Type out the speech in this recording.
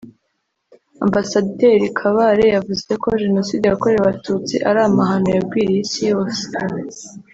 Ambasaderi Kabare yavuze ko Jenoside yakorewe Abatutsi ari amahano yagwiriye Isi yose